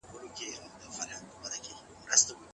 د خلکو عادت نه و چې خوراکي توکي زیرمه کړي.